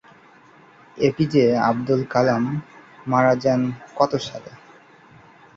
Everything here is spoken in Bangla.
এ পি জে আব্দুল কালাম মারা যান কত সালে?